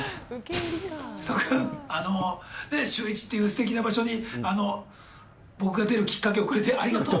瀬戸君、シューイチというすてきな場所に僕が出るきっかけをくれてありがとう。